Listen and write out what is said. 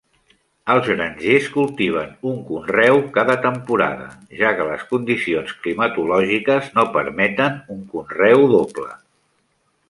Els grangers cultiven un conreu cada temporada, ja què les condicions climatològiques no permeten un conreu doble.